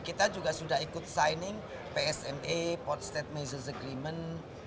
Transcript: kita juga sudah ikut signing psma port state measus agreement